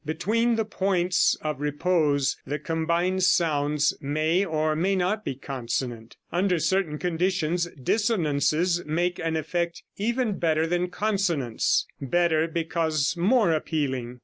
Between the points of repose the combined sounds may or may not be consonant. Under certain conditions dissonances make an effect even better than consonance better because more appealing.